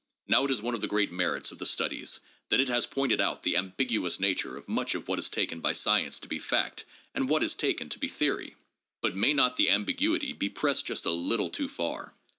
Now it is one of the great merits of the "Studies" that it has pointed out the ambiguous nature of much of what is taken by science to be fact and what is taken to be theory. But may not the ambiguity be pressed just a little too far?